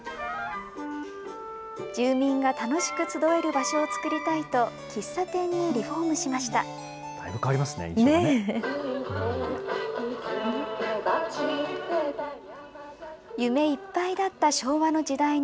住民が楽しく集える場所を作りたいと、喫茶店にリフォームしましだいぶ変わりますね、印象ね。